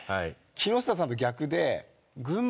木下さんと逆で。